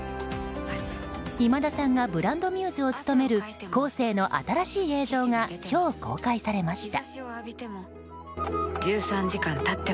今田さんがブランドミューズを務めるコーセーの新しい映像が今日公開されました。